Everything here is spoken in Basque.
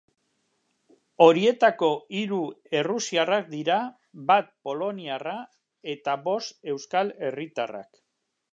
Horietako hiru errusiarrak dira, bat poloniarra eta bost euskal herritarrak.